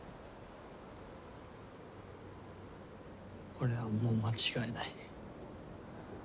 俺はもう間違えない。